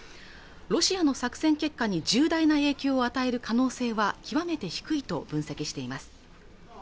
ロシアの作戦結果に重大な影響を与える可能性は極めて低いと分析しています